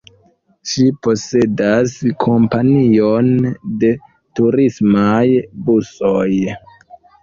Ŝi posedas kompanion de turismaj busoj.